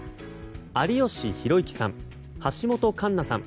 有吉弘行さん、橋本環奈さん